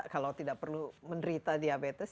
kalau tidak perlu menderita diabetes